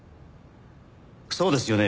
そうですよね？